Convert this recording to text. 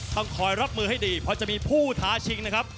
ต้องคอยรับมือให้ดีเพราะจะมีผู้ท้าชิงนะครับ